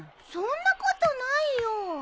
そんなことないよ。